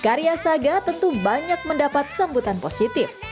karya saga tentu banyak mendapat sambutan positif